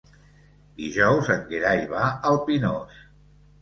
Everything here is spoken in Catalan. Dijous en Gerai va al Pinós.